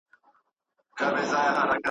یوه لو ناره یې وکړله له خونده ,